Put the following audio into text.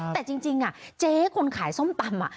แต่จริงเจ๊คนขายส้มตำ